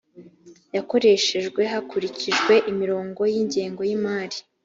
yakoreshejwe hakurikijwe imirongo y’ingengo y’imari